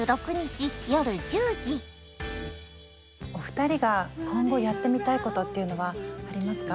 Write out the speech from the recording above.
お二人が今後やってみたいことっていうのはありますか？